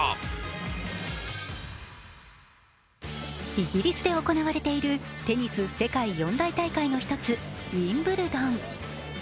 イギリスで行われているテニス世界四大大会の一つ、ウィンブルドン。